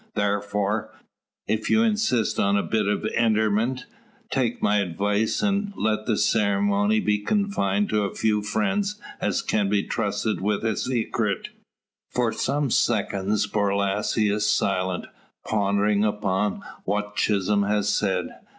Tharfore, if you insist on the bit o' interment, take my advice, and let the ceremony be confined to a few friends as can be trusted wi' a secret." For some seconds Borlasse is silent, pondering upon what Chisholm has said.